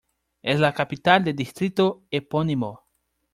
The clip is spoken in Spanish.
Es la capital del distrito epónimo.